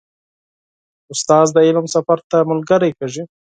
استاد د علم سفر ته ملګری کېږي.